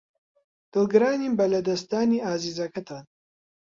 دڵگرانین بە لەدەستدانی ئازیزەکەتان.